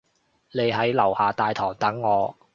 你喺樓下大堂等我